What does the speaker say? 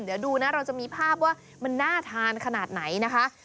เดี๋ยวดูนะเราจะมีภาพว่ามันน่าทานขนาดไหนนะคะ